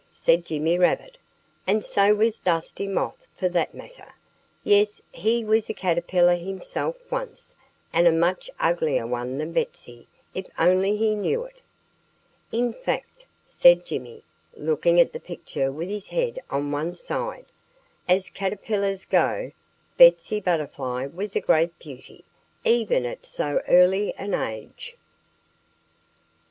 said Jimmy Rabbit. "And so was Dusty Moth, for that matter. Yes! he was a caterpillar himself, once and a much uglier one than Betsy, if only he knew it. "In fact," said Jimmy, looking at the picture with his head on one side, "as caterpillars go, Betsy Butterfly was a great beauty, even at so early an age."